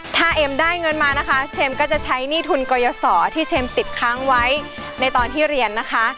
ถ้าเอมได้เงินมานะคะเชมก็จะใช้หนี้ทุนกรยาศรที่เชมติดค้างไว้ในตอนที่เรียนนะคะ